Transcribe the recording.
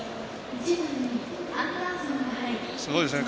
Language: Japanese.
すごいですね。